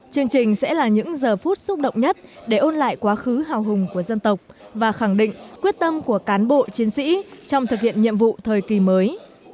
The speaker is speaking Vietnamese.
chương trình sẽ là những giờ phút xúc động nhất để ôn lại quá khứ hào hùng của dân tộc và khẳng định quyết tâm của cán bộ chiến sĩ trong thực hiện nhiệm vụ thời kỳ mới